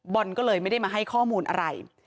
อนก็เลยไม่ได้มาให้ข้อมูลอะไร